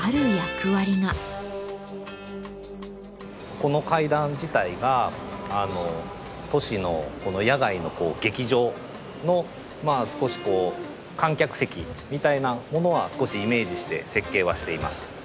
この階段自体が都市の野外の劇場の少しこう観客席みたいなものは少しイメージして設計はしています。